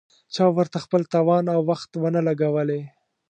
چا ورته خپل توان او وخت ونه لګولې.